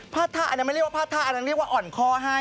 ท่าอันนั้นไม่เรียกว่าพาดท่าอันนั้นเรียกว่าอ่อนคอให้